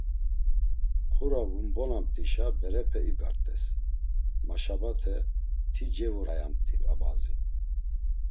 Xura vunbonamt̆işa berepe ibgart̆es, maşabate ti cevurayamt̆i a bazi.